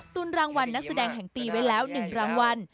ตุ้นรางวัลนักแสดงแห่งปีไว้แล้ว๑รางวัล